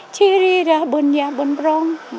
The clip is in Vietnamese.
chí ri ra bờn nha bờn rong